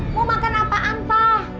mau makan apaan pak